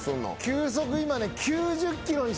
球速今ね。